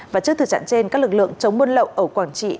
và trước thực trạng trên các lực lượng chống buôn lậu ở quảng trị